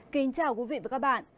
kính chào quý vị và các bạn